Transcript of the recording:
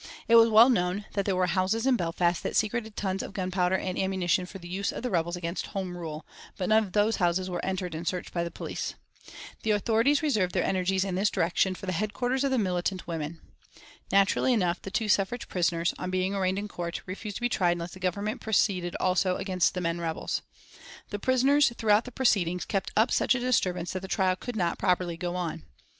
It was well known that there were houses in Belfast that secreted tons of gunpowder and ammunition for the use of the rebels against Home Rule, but none of those houses were entered and searched by the police. The authorities reserved their energies in this direction for the headquarters of the militant women. Naturally enough the two suffrage prisoners, on being arraigned in court, refused to be tried unless the Government proceeded also against the men rebels. The prisoners throughout the proceedings kept up such a disturbance that the trial could not properly go on.